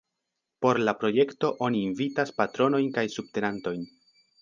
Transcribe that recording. Por la projekto oni invitas patronojn kaj subtenantojn.